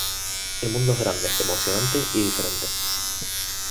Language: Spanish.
El mundo es grande, emocionante y diferente.